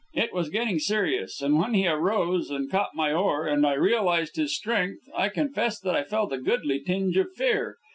It was getting serious, and when he arose and caught my oar, and I realized his strength, I confess that I felt a goodly tinge of fear.